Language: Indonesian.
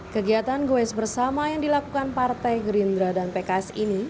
kegiatan goes bersama yang dilakukan partai gerindra dan pks ini